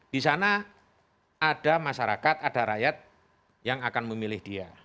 di sana ada masyarakat ada rakyat yang akan memilih dia